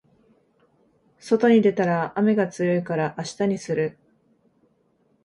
外に出たら雨が強いから明日にする